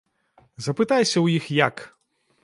Запытайся ў іх як!